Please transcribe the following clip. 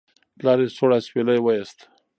پلار یې سوړ اسویلی وایست.